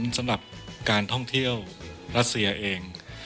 สำหรับการท่องเที่ยวรัสเซียเอง